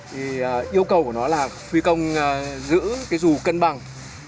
thì yêu cầu của nó là phi công giữ cái dù cân bằng